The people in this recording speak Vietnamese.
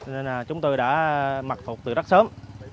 nên là chúng tôi đã mặc phục từ rất sớm